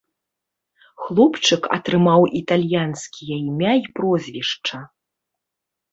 Хлопчык атрымаў італьянскія імя і прозвішча.